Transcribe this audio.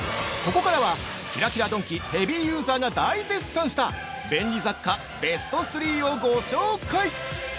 ◆ここからはキラキラドンキヘビーユーザーが大絶賛した便利雑貨ベスト３をご紹介！